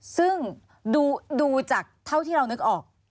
ซึ่งดูจากเท่าที่เรานึกออก